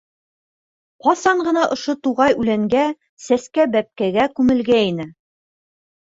Ҡасан ғына ошо туғай үләнгә, сәскә- бәпкәгә күмелгәйне!